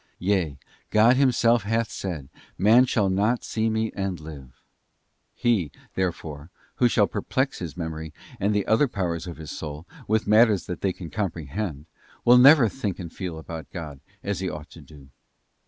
't Yea, God Himself hath said, 'Man shall not see Me and live.'t He, therefore, who shall perplex his Memory and the other powers of his soul with matters that they can comprehend, will never think and feel about God as he ought to do.